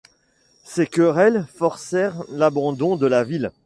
Ces querelles forcèrent l'abandon de la ville.